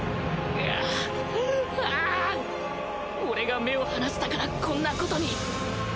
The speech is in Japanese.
俺が目を離したからこんなことに